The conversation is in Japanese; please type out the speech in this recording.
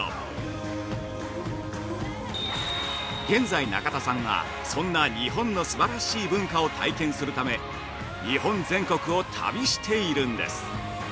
現在、中田さんはそんな日本のすばらしい文化を体験するため日本全国を旅しているんです。